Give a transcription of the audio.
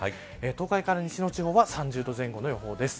東海から西の地方は３０度前後の予報です。